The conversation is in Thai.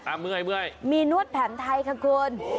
เมื่อยเมื่อยมีนวดแผนไทยค่ะคุณ